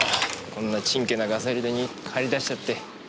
こんなチンケなガサ入れに駆り出しちゃって。